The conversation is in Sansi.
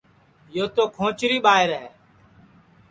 سونکی تو کھوچری ٻائیر ہے